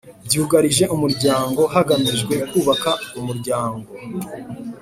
byugarije umuryango hagamijwe kubaka umuryango